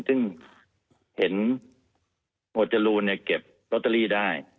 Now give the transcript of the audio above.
ซึ่งเห็นหมวดจรูนเก็บลอตเตอรี่ได้